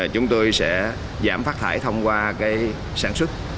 chúng tôi sẽ giảm phát thải thông qua sản xuất